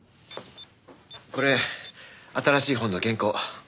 これ新しい本の原稿。